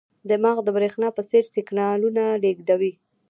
دماغ د برېښنا په څېر سیګنالونه لېږدوي.